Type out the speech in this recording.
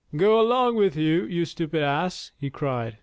"Go along with you, you stupid Ass," he cried.